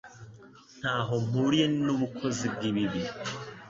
nta ho mpuriye n’ubukozi bw’ibibi